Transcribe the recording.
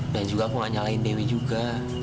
dan juga aku nggak nyalahin dewi juga